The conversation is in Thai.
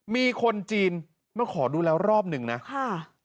มีคนจีนมาขอดูแล้วรอบหนึ่งนะค่ะ